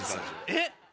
えっ！